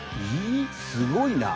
すごいな。